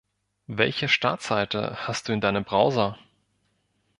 Welche Startseite hast du in deinem Browser?